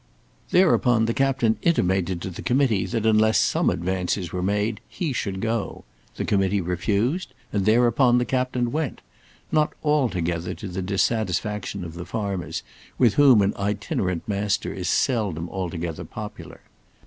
Thereupon the Captain intimated to the Committee that unless some advances were made he should go. The Committee refused, and thereupon the captain went; not altogether to the dissatisfaction of the farmers, with whom an itinerant Master is seldom altogether popular.